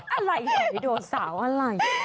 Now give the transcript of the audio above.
อะไรเหล่าหอยโดเสั๋าอะไร